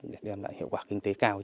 để đem lại hiệu quả kinh tế cao